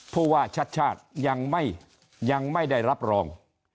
ผู้ว่าชัดชาติยังไม่ได้รับรอง